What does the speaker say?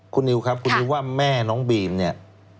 คุณนิ้วครับคุณนิ้วว่าแม่นิ้วนิ้วเนี่ย